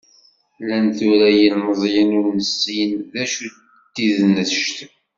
Llan tura yilemẓiyen ur nessin d acu d tidnect.